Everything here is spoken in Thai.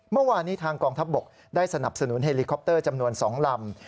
เมื่อวานนี้ทางกองทัพบกได้สนับสนุนเฮลิคอปเตอร์จำนวน๒ลำ